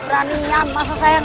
bukan aduan saya